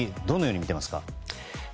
どのように見ていますか？